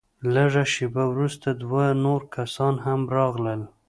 لږه شېبه وروسته دوه نور کسان هم راغلل.